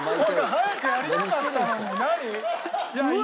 早くやりたかったのに何？うわーっ！